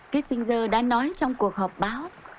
kissinger đã nói trong cuộc họp báo